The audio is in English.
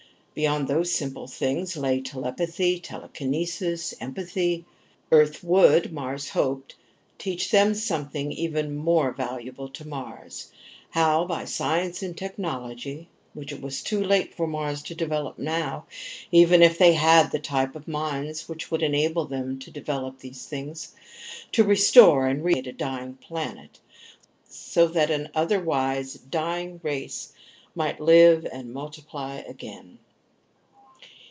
Beyond those simple things lay telepathy, telekinesis, empathy.... And Earth would, Mars hoped, teach them something even more valuable to Mars: how, by science and technology which it was too late for Mars to develop now, even if they had the type of minds which would enable them to develop these things to restore and rehabilitate a dying planet, so that an otherwise dying race might live and multiply again.